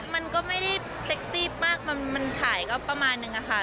มันก็ไม่ได้เซ็กซี่มากมันถ่ายก็ประมาณนึงอะค่ะ